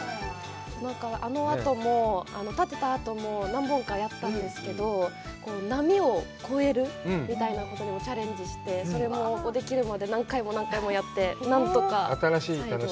あのあとも、立てたあとも、何本かやったんですけど、波を超えるみたいなこともチャレンジして、それもできるまで何回も何回もやって、何とか。